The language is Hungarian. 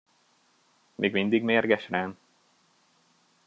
Még mindig mérges rám?